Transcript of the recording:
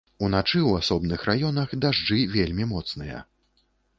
Уначы ў асобных раёнах дажджы вельмі моцныя.